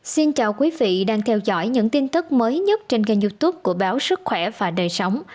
xin chào quý vị đang theo dõi những tin tức mới nhất trên kênh youtube của báo sức khỏe và đời sống